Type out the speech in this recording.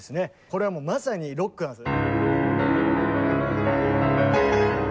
これはもうまさにロックなんです。